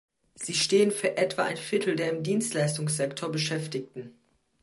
Sie stehen für etwa ein Viertel der im Dienstleistungssektor Beschäftigten.